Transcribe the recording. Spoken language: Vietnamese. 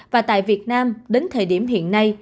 và tại việt nam đến thời điểm hiện nay